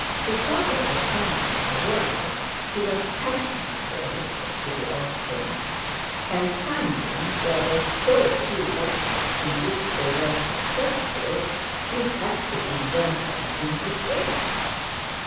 Because of the sound of the word he was passionately addicted to the Austrians, and finding there were so few battles in which they were successful he had to invent them in his games.